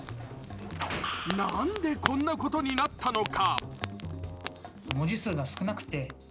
なんでこんなことになったのか。